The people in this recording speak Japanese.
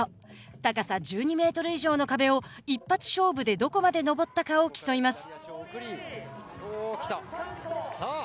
高さ１２メートル以上の壁を一発勝負でどこまで登ったかを競います。